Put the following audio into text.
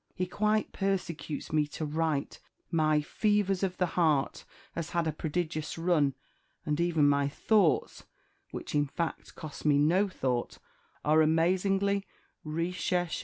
He quite persecutes me to write. My 'Fevers of the Heart' has had a prodigious run; and even my 'Thoughts,' which, in fact, cost me no thought, are amazingly _recherché.